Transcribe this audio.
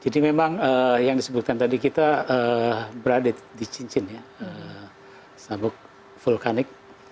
jadi memang yang disebutkan tadi kita berada di cincin ya sabuk vulkanik